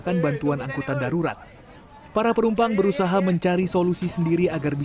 karena kan di pesempatan banjungnya tinggi sekali